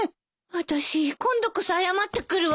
あたし今度こそ謝ってくるわ。